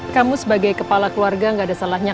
kamu sebagai kepala keluarga gak ada salahnya